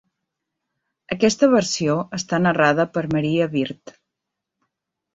Aquesta versió està narrada per Maria Bird.